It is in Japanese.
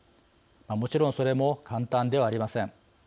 もちろんそれも簡単ではありません。